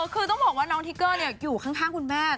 คือต้องบอกว่าน้องทิเกอร์อยู่ข้างคุณแม่